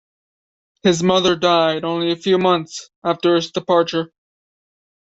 His mother died only a few months after his departure.